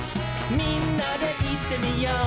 「みんなでいってみよう」